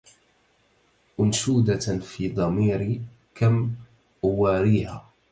أنشودة في ضميري كم أواريها